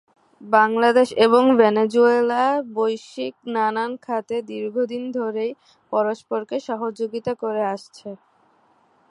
বাংলাদেশ এবং ভেনেজুয়েলা বৈশ্বিক নানান খাতে দীর্ঘদিন ধরেই পরস্পরকে সহযোগিতা করে আসছে।